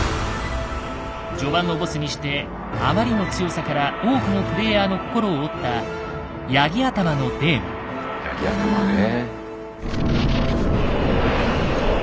序盤のボスにしてあまりの強さから多くのプレイヤーの心を折った山羊頭ね。